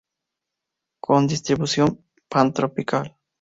Con distribución pantropical.